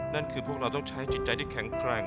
นั่นคือพวกเราต้องใช้จิตใจที่แข็งแกร่ง